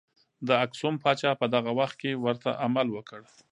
د اکسوم پاچا په دغه وخت کې ورته عمل وکړ.